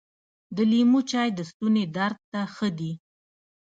د لیمو چای د ستوني درد ته ښه دي .